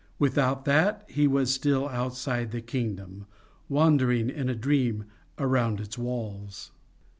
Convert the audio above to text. Without that he was still outside the kingdom, wandering in a dream around its walls.